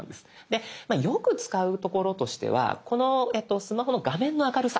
でよく使うところとしてはこのスマホの画面の明るさ。